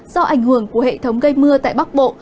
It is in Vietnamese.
do ảnh hưởng của hệ thống gây mưa tại bắc bộ